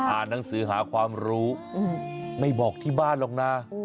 อ่านหนังสือหาความรู้ไม่บอกที่บ้านหรอกนะ